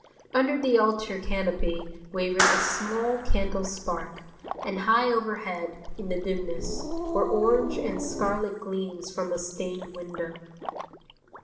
Under the altar canopy wavered a small candle spark, and high overhead, in the dimness, were orange and scarlet gleams from a stained window.